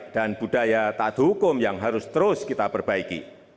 dan budaya taat hukum yang harus terus kita perbaiki